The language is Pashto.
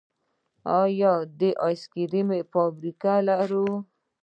آیا د آیس کریم فابریکې لرو؟